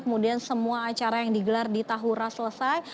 kemudian semua acara yang digelar di tahura selesai